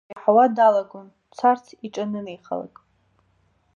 Аҳәозшәа иаҳауа далагон, дцарц иҿанынеихалак.